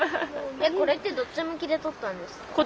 これってどっち向きで撮ったんですか？